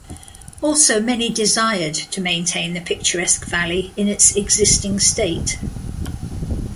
Also, many desired to maintain the picturesque valley in its existing state.